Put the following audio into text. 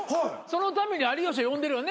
そのたんびに有吉呼んでるよね。